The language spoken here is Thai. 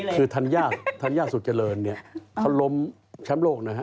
คือธรรยาสุขเจริญเธอลมเช้าโลกน่ะค่ะ